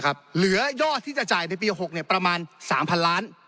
เหลือยอดที่จะจ่ายในปี๖ประมาณ๓๐๐๐ล้าน